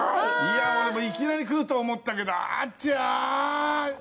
俺もいきなりくると思ったけどあちゃ！